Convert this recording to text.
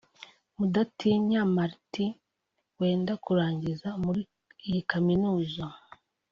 Mudatinya Martin wenda kurangiza muri iyi kaminuza